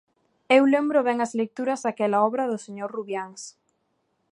Eu lembro ben as lecturas daquela obra do señor Rubiáns.